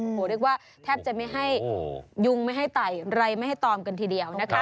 โอ้โหเรียกว่าแทบจะไม่ให้ยุงไม่ให้ไต่ไรไม่ให้ตอมกันทีเดียวนะคะ